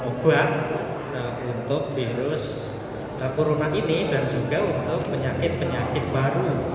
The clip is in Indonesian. obat untuk virus corona ini dan juga untuk penyakit penyakit baru